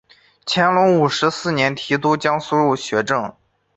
乾隆五十四年提督江苏学政。